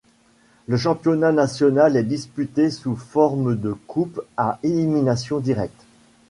Le championnat national est disputé sous forme de coupe à élimination directe.